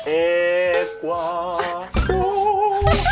เอ๊กวาโก